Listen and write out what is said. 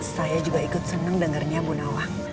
saya juga ikut senang dengarnya bu nawang